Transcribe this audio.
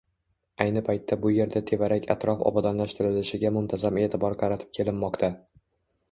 Ayni paytda bu erda tevarak-atrof obodonlashtirilishiga muntazam e`tibor qaratib kelinmoqda